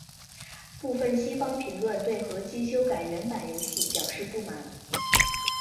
部分西方评论对合辑修改原版游戏表示不满。